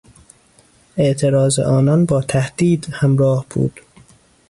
اعتراض آنان با تهدید همراه بود.